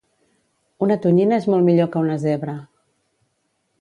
Una tonyina és molt millor que una zebra